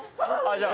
じゃあ。